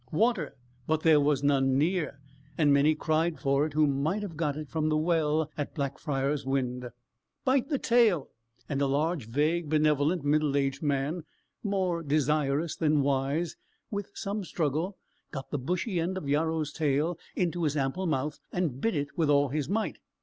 "Water!" but there was none near, and many cried for it who might have got it from the well at Blackfriars Wynd. "Bite the tail!" and a large, vague, benevolent, middle aged man, more desirous than wise, with some struggle got the bushy end of Yarrow's tail into his ample mouth, and bit it with all his might.